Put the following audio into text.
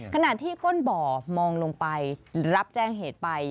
ขณะที่ก้นบ่อมองลงไปรับแจ้งเหตุไป